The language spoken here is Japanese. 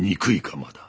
まだ。